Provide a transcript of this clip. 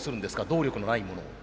動力のないものを。